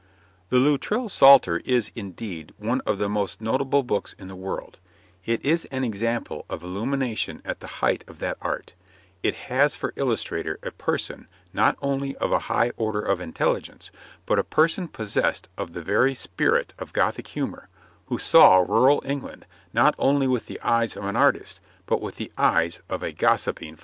The Loutrell Psalter is, indeed, one of the most notable books in the world; it is an example of illumination at the height of that art; it has for illustrator a person, not only of a high order of intelligence, but a person possessed of the very spirit of Gothic humour, who saw rural England, not only with the eyes of an artist, but with the eyes of a gossiping philosopher.